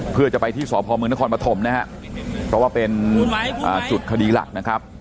เพื่อจะไปที่สพมนครปฐมนะฮะเพราะว่าเป็นจุดคดีหลักนะครับ